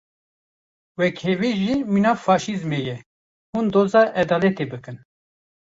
Wekhevî jî mîna faşîzmê ye, hûn doza edaletê bikin.